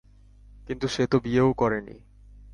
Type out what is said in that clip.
কিন্তু সে তো বিয়েও করেনি।